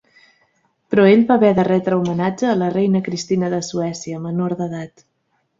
Però ell va haver de retre homenatge a la reina Cristina de Suècia, menor d'edat.